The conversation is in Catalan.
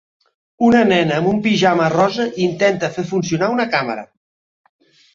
Una nena amb un pijama rosa intenta fer funcionar una càmera.